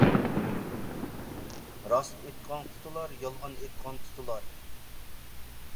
راست ئېيتقان قۇتۇلار، يالغان ئېيتقان تۇتۇلار.